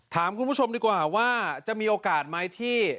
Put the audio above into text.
ถามคุณผู้ชมดีกว่าว่าจะมีโอกาสไหมที่